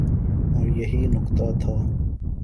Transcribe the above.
اوریہی نکتہ تھا۔